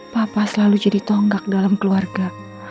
papa selalu jadi tonggak dalam keluarga